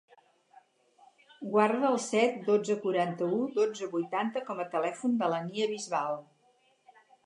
Guarda el set, dotze, quaranta-u, dotze, vuitanta com a telèfon de la Nia Bisbal.